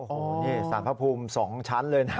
โอ้โหนี่สารพระภูมิ๒ชั้นเลยนะ